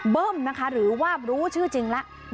เบิ้มนะคะหรือว่ารู้ชื่อจริงแล้ว